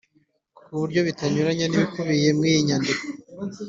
ku buryo bitanyuranya n'ibikubiye mu iyi nyandiko